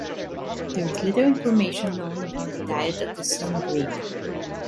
There is little information known about the diet of the sungrebe.